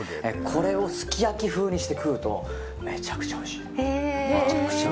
これをすき焼き風にして食うとめちゃくちゃおいしい。